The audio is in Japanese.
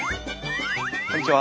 あっこんにちは。